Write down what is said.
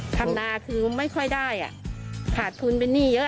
ทำนาคือไม่ค่อยได้ขาดทุนเป็นหนี้เยอะ